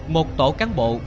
một tổ cán bộ vừa đưa ra